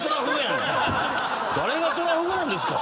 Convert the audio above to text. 誰がトラフグなんですか